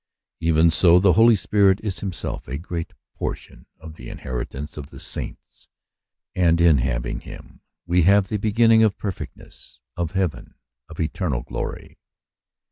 Even so the Holy Spirit is himself a great portion of the inheri tance of the saints; and in having him we have the beginning of perfectness, of heaven, of eternal glory.